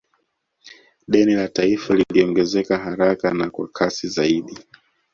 Deni la taifa liliongezeka haraka na kwa kasi zaidi